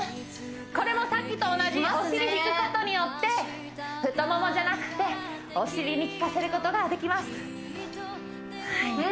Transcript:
これもさっきと同じお尻引くことによって太ももじゃなくてお尻に効かせることができます